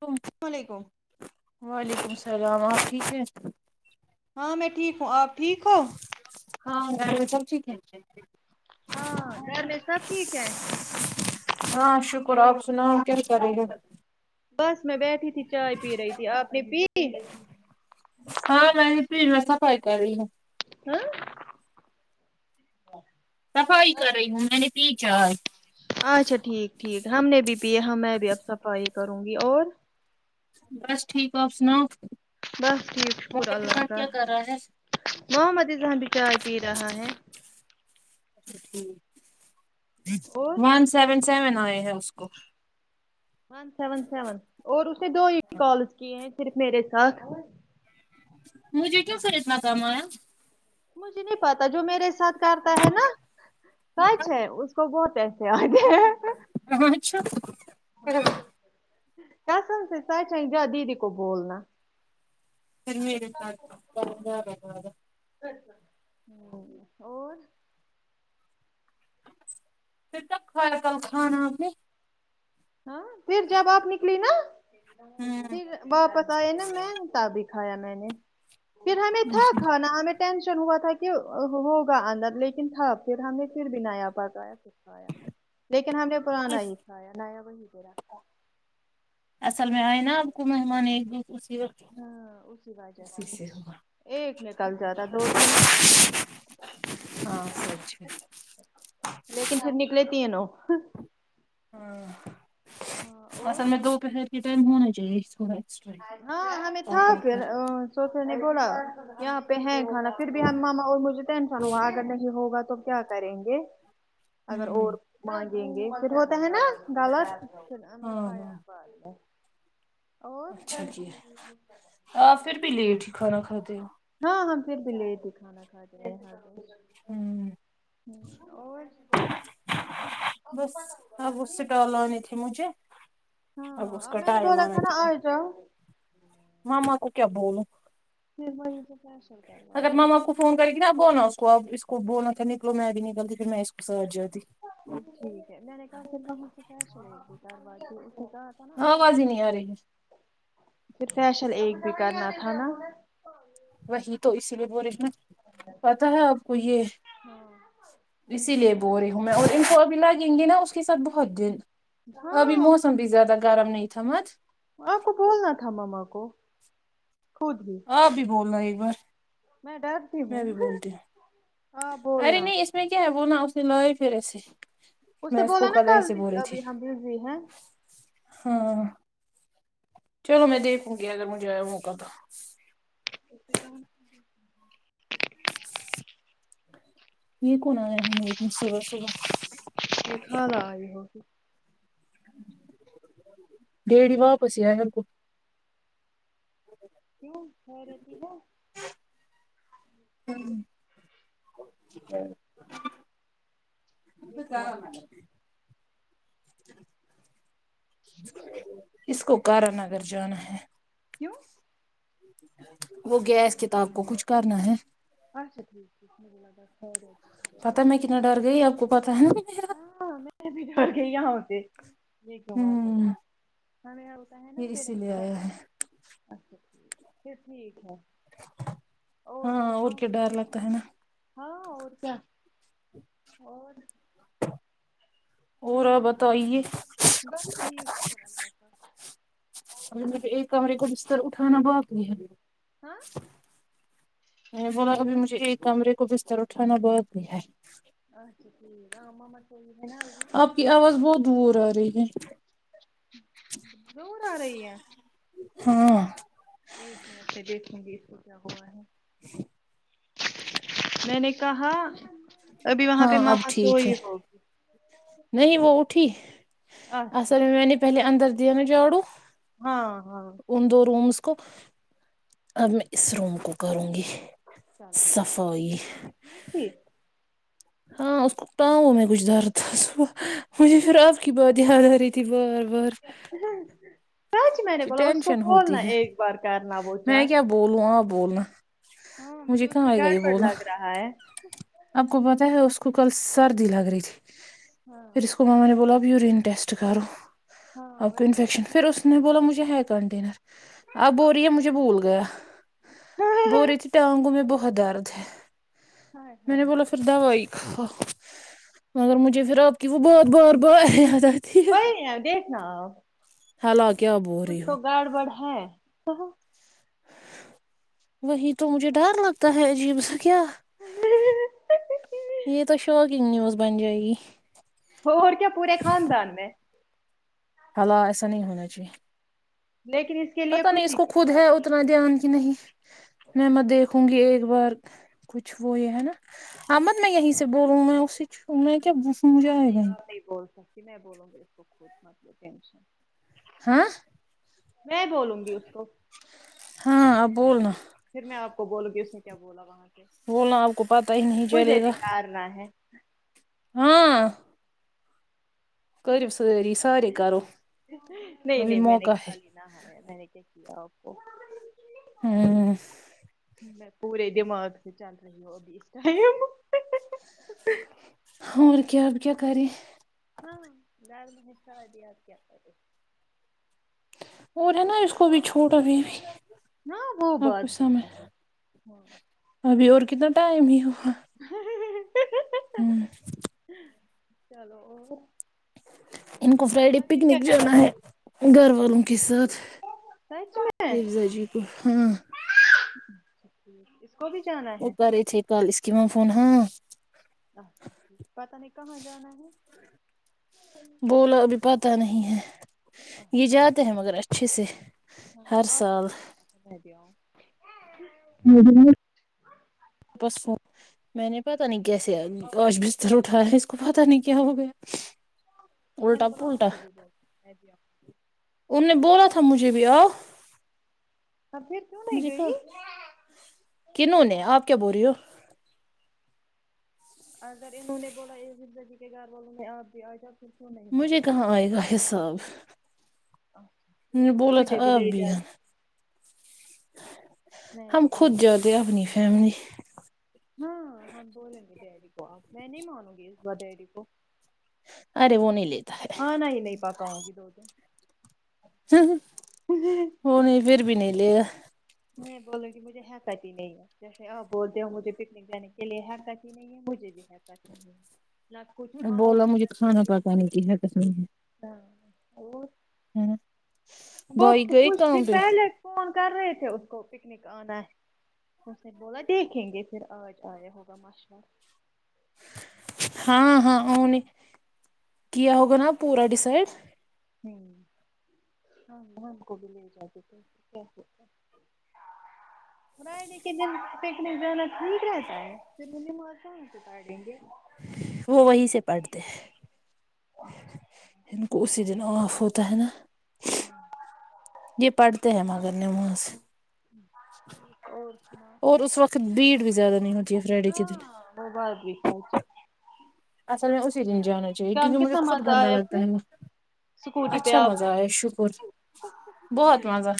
تو الل علیکم وعلیکم السلام آپ ٹھیک ہے ہاں میں ٹھیک ہوں آپ ٹھیک ہو ہاں گھر میں سب ٹھیک ہے ہاں گھر میں سب ٹھیک ہے ہاں شکر آپ سنا کیا کر رہے ہو بس میں بیٹھی تھی چائے پی رہی تھی آپ نے پی ہاں نہیں پی میں صفائی کر رہی ہوں کیا صفائی کر رہی ہو میں نے پی چاے اچھا ٹھیک ٹھیک ہم نے بھی پی میں بھی اب صفائی کروں گی اور بس ٹھیک آپ سناؤ بس ٹھیک شکر مما کے اللہ ساتھ تال کیا کر رہا ہے معحمد اظاں بی چاۓ پی رہا ہے اور ون سیون سیون آئے ہیں اس [unintelligible] ون سیون سیون اور اس نے دو ہی کالز کیے ہیں صرف میرے ساتھ مجھے کیوں خریدنا کام آیا مجھے نہیں پتا جو میرے ساتھ کرتا ہے نا سچ ہے اس کو بہت ای گے ہچھ کیاسم سے س چ ج دیدی کو بولنا پھر میرے ساتھ [unintelligible] رہا اور پھر کب کھایا کل کھانا اپ نے ہاں پھر جب آپ نکلی نا پھر واپس آئے نا مگتا بھی کھایا میں نے پھر ہمیں تھا کھانا ہمیں ٹینشن ہوا تھا کہ ہوگا اندر لیکن تھا پھر ہم نے پھر بھی نیا پاکیا کھایا لیکن ہم نے پرانا ہی کھایا نیا وہی تیرا اصل میں آئے نا آپ کو مہمان ایک دو اسیق ہاں اسی وجہ سے ایک نکل جاتا دو تین [unintelligible] [unintelligible] لیکن پھر نکلتی ہیں نو ہمم ہاں اور اصل میں دوپہر کے ٹائم ہونا چاہیے ایکسٹرا ہاں ہمیں تھا پکا پھر کر سوفے نے بولا یہاں پہ ہے کھانا پھر بھی ہم ماما اور مجھے ٹینشن ہوا اگر نہیں ہوگا تو کیا کریں گے اگر ہوں اور مانگیں گے پھر ہوتا ہے نا ہاں ہاں [unintelligible] آ پھر بھی لیٹ ہی کھانا کھاتے ہو ہاں ہم پھر بھی لیٹ ہی کھانا کھاتے ہے ہیاں ہوں اور بس اب وہ سٹال آانی تھی مجھے اب اس کا ٹائم کیا مما کو کیا بولا پھر میں تو پرشر کروا اگر کے ماما کو فون کرے گی نا اب بونا اس کو اب اس کو بولنا تھا نکلو میں بھی نکلتی پھر میں اس کو سہج جاتی ٹھیک ہے میں نے کہا [unintelligible] ہاں آواز ہی نہیں آ رہی ہے پھر فیشل ایک بھی کرنا تھا نا وہی تو اسی لیے با رہے نا پتا ہے آپ کو یہ ہاں اسی لیے بول رہی ہوں میں اور ان کو ابھی لاگیں گی نا اس کے ساتھ بہت دن ابھی ہاں موسم اور بھی زیادہ گرم نہیں تھامت آپ کو بولنا تھا مما کو خود ہی آپ بھی بول رہے ایک بار میں ڈرتی میں ہوں بھی بولتی آپ بولنا اسمے کیا ہے بولنا [unintelligible] اس سے بولا نا کال ابھی ہم بجی ہیں ہاں چلو میں دیکھوں گی اگر مجھے آیا موقع تو [unintelligible] یہ کون آیا ہے اتنی صوبہ صوبہ [unintelligible] گیڑی واپس ہی آیا میر کو [inaudible] [unintelligible] یہ کیوں واپس [unintelligible] اس کو کارا نگر جانا ہے کیوں وہ گیا اس کتاب کو کچھ کرنا ہے اچا ٹھیک مجھے لگا پتا میں کتنا ڈر گئی آپ کو پتا ہے نا ہاں میں ہہی درر گیی یہا ہوں یہ کیوں وپس ہوں ہمیں ہوتا ہے نا یہ پھر اسی لیے ایسا آیا ہے اچھا پھر ٹھیک ہے ہاں اور کیا ڈر لگتا ہے نا ہاں اور کیا اور اور آپ بتائیے بس ٹھیک شکر الله ا مطلب ایک کمرے کو بستر اٹھانا باقی ہے ہاں میں بولا ابھی مجھے ایک کمرے کو بستر اٹھانا بہت باقی ہے اچھا ٹھیک ہے آ ماما کو ہے نا ا بھی یہ آواز بہت دور آ رہی ہے دور آ رہی ہے ہاں [inaudible] میں نے کہا ابھی وہاں پہ ہاں اب ماما ٹھیک سوئی ہے ہو نہیں وہ اٹھی اچھا اصل میں میں نے پہلے اندر دیا نا جھاڑو ہاں ہاں ان دو رومس کو اب میں اس روم کو کروں گی چلو ٹھیک ہے صفائی جدا جی ٹھیک ہی ہاں اس کوٹاؤ میں کچھ ڈر تھا صبح مجھے پھر آپ کی بات یاد آرہی تھی بار بار سچ میں نے کہ بولا اس کو ٹینشن بولنا ایک بار کرنا وہ چیک بولو ہاں بولنا ہاں مجھے اس کہاں میں آئے گا یہ گڈباد بولنا لگ رہا ہے آپ کو پتہ ہے اس کو کل سردی لگ رہی تھی ہاں پھر اس کو ماما نے بولا اب یورین ٹیٹسٹ کرو ہاں آب کو وہی انفیکشن پھر اس اس نے بولا مجھے ہے کنٹینر آپ بول رہی ہے مجھے بھول گیا بول ہاں رہی تھی ٹانگوں میں بہت درد ہے ہاں میں نے ہاں بولا پھر دوائی کھاؤ مگر مجھے پھر آپ کی وہ بار بار بار آتی وہی دیکھنا آ ہیلو کیا بو کچھ تو گڑبڑ ہے وہی تو مجھے ڈر لگتا ہے عجیب سا کیا یہ تو شوکنگ نیوز بن جائے گی اور کیا پورے خاندان میں ہالا ایسا نہیں ہونا چاہیے لیکن اس کے لیے پتا نہیں اس خوشی کو کی خود بات ہے اتنا ہوگی دھیان کی نہیں میں میں دیکھوں گی ایک بار کچھ وہ یہ ہے نا احمد میں یہیں سے بولوں میں اسی میں کیا [unintelligible] نہیں گا آپ نہیں بول سکتی میں بولوں گی اس کو خود مت لو ٹینشن ہاں میں بولوں گی اس کو ہاں آپ بولنا پھر میں آپ کو بولوں گی اس نے کیا بولا وہاں بولنا آپ کو پتہ ہی نہیں سے چلے گا [unintelligible] ہاں کرو ساری سارے کرو نہیں ابھی نہیں میں نے موقع ہے کھا لیا نہ ہاں میں کہ کیا آپ کو ہاں میں پورے دماغ سے چل رہی ہوں ابھی اس ٹائم اور کیا کیا کرے [unintelligible] اور ہے نا اس کو بھی چھوٹ اب بھی ہاں وہ آپ بات کچھ بھی سمے ہے [unintelligible] ہاں ابھی اور کتنا ٹائم ہی ہوا ہوں چلو اور ان کو فرائیڈے معاویہ کیا پکنک کر رہا جانا ہے گھر والوں کے ساتھ سچ میں حفظہ جی اچھا کو ہاں ٹھیک اس کو بھی جانا ہے وہ کرے تھے کال اسکیم فون ہاں نہ اچھا ٹھیک پتا نہیں کہاں جانا ہے بولو ابھی پتہ نہیں ہے اچھا یہ ٹھیک، جاتے ہیں مگر اچھے سے ہاں ہر آپ کو سال [unintelligible] میں دں [unintelligible] ہ بس میں نے پتا نہیں کیسے آپ آج بستر سوری اٹھایا ہے اس کو پتہ نہیں کیا ہو گیا میں نے الٹا بولا آپ پلٹا کو بھی بول میں بھی آؤں ان نے بولا تھا مجھے بھی آؤ ہاں پھر کیوں نہیں مجھے کہ گئی کنوں نے آپ کیا بول رہی ہو اگر انہوں نے بولا یہ زندگی کے گھر والوں نے آپ بھی آ جب مجھے کہاں آئے گا حساب اچھا میں نے بولا تھا مجھے آپ لے بھی جاتی میں ہم بھی خود آتی جاتے اپنی فیملی ہاں ہم بولیں گے ڈیڈی کو اب میں نہیں مانوں گی اس بار ڈیڈی کو ارے وہ نہیں لیتا ہے کھانا ہی نہیں پکاؤں گی دو دن وہ نہیں پھر بھی نہیں لیا نہیں بولو کہ مجھے حیکت ہی نہیں ہے جیسے آ بولتے ہو مجھے پکنک جانے کے لیے حیکت ہی نہیں نہیں ہے مجھے بھی نہیں حیکت نہیں ہے نہ کچھ کھاؤں بولا گی نہ مجھے کھانا پیوں پکانے کی ہے قسم ہے ہاں اور ھمم وہ کچھ دن پہلے فون کر رہے تھے اس کو پکنک آنا اس نے بولا دیکھیں گے پھر آج آیا ہوگا مشہورہ ہاں ہاں ا نے کیا ہوگا نا پورا ڈسائڈ ہ ہاں ہم کو بھی لے جاتے تھے کیاتے فرائیڈے کے دن پکنک جانا ٹھیک رہتا ہے پھر انہیں وہ آسان دیں گے وہ وہی سے پڑھتے ہیں اسی دن آف ہوتا ہے نا ہاں یہ پڑھتے ہیں مگر نماز اور سناؤ اور اس وقت بھیڑ بھی زیادہ نہیں ہوتی ہے فرائیڈے کے دن ہاں وہ بات بھی اصل میں اسی دن جانا چاہیے کیا کیونکہ مجھے کتنا خود مزہ گندا آیا پھر لگتا ہے اسکوٹی پہ اچھا آپ مزہ کو آے شکر بہت مزہ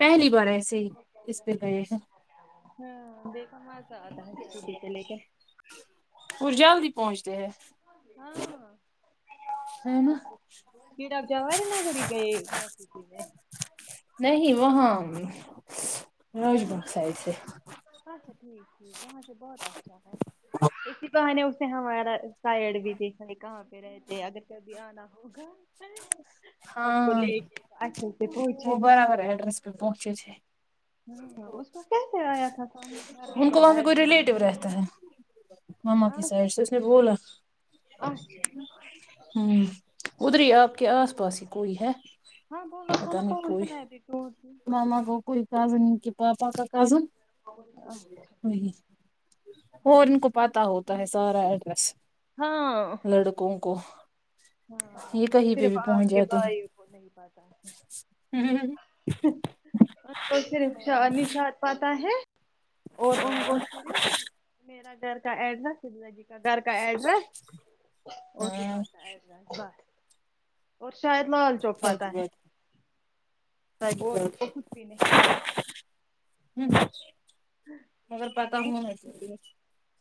پہلی بار ایسے ہی اس پہ گئے ہیں نہ ہاں دیکھا مزہ آ تھا [unintelligible] اٹی کے لے کے وہ جلد ہی پہنچتے ہیں ہے نا ہاں [unintelligible] نہیں وہاں روج بنک سائڈ سے اچھا ٹھیک ٹھیک وہاں سے بہت اچھا ہے اسی بہانے ہمارا سائڈ بھی دیکھے کہاں پہ رہتے اگر کبھی آنا ہوگا آپ کو ہاں لے کے اچھے سے پہنچے وہ گا برابر ایڈریس پہ پہنچے تھے ہاں اس کو کیسے آیا تھا سمجھ ان کو برابر وہاں پہ کوئی ریلیٹو رہتے ہیں ماما آ کی سائیڈ سے اس نے بولا اچھا ہوں ادھر ہی آپ کے آس پاس ہی کوئی ہے ہاں بولو پتہ کھنا کھو نہیں بلکے کوئی بھی توی ماما کا کوئی کزن کہ پاس اکر کزن ہوں اچھا ٹھیک اور ان کو پتا ہوتا ہے سارا ایڈریس ہاں لڑکوں کو ہاں یہ کہیں پہ صرف بھی پہنچ آپ کے جاتے ہیں بھائی کو نہیں پاتا کو صرف نشاد پاتا ہے اور ان کو صرف میرا گھر کا ایڈریس گھر کا ایڈریس اور دکان ہاں کا ایڈریس بس اور شاید مال چوک سچ پاتا ہے بات سچ اور وہ کچھ بھی نہیں پاتا ھم مگر پتا اور ہونا چاہے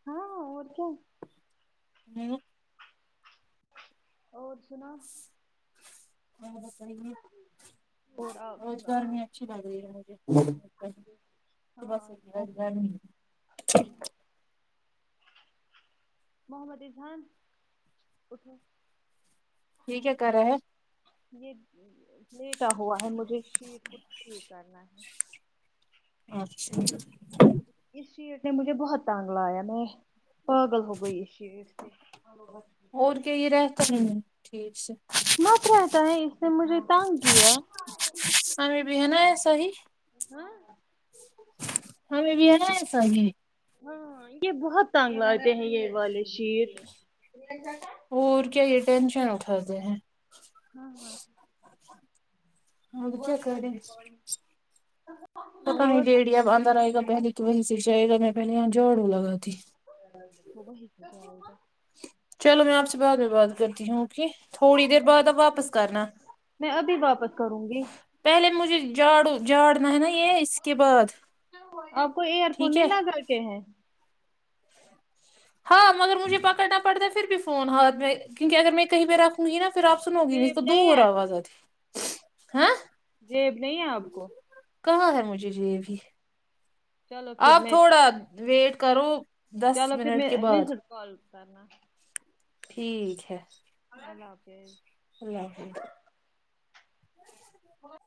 ہاں اور کیا اور سنا ہاں بتائیے اور آپ روزگار سناؤ میں اچھی لگ رہی ہے مجھے صبح سے ہاں آج گرمی ہے۔ محمد اذھان اٹھو یہ کیا کر رہا ہے یہ لیٹا ہوا ہے مجھے شیر کو ٹھیک کرنا ہے اچھا اس شیٹ نے مجھے بہت تٹانگ لایا میں پاگل ہو گئی اس شیٹ سے اور کہی رہتا نہیں ٹھیک سے مت رہتا ہے اس نے مجھے تانگ کیا ابھی بھی ہے نا ایسا ہی ہاں ہمیں بھی ہے ایسا گے ہاں یہ بہت تنگ لاتے ہیں یہ والے شیٹ اور کیا یہ ٹینشن اٹھاتے ہیں ہاں ہاں ہاں تو کیا کہہ رہے پتا نہیں اور ڈڑیا اندر آئے گا پہ تونسی شاہ میں پہلے جھاڑو لگاتی وہ وہا چلو میں آپ سے بعد میں بات کرتی ہوں اوکے تھوڑی دیر بعد آپ واپس کرنا میں ابھی واپس کروں گی پہلے مجھے جھاڑو جھاڑنا ہے نا یہ اس کے بعد ٹھیک ہے کر کے ہے ہاں مگر مجھے پکڑنا پڑتا ہے پھر بھی فون ہاتھ میں کیونک اگر میں کہیں پے رکھ ہوئی نا پھر آپ سنو گی نہیں اس جیب کو دور ہے آواز لیب نہیں ہے آپ کو کہاں ہے مجھے یہی بھی چلو پھر آپ میں تھوڑا ویٹ کرو دس چلو پھر منٹ میں کے بعد مجھے کال کرنا ٹھیک ہے اللہ حافظ ال ہ